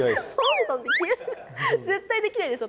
絶対できないです